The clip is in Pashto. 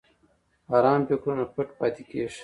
ارام فکرونه پټ پاتې کېږي.